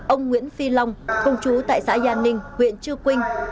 ông nguyễn phi long công chú tại xã gia ninh huyện chu quỳnh